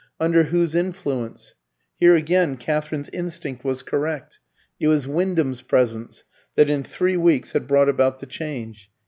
Under whose influence? Here again Katherine's instinct was correct. It was Wyndham's presence that in three weeks had brought about the change.